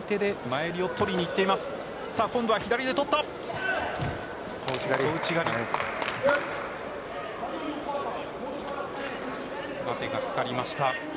待てがかかりました。